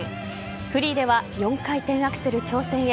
フリーでは４回転アクセル挑戦へ。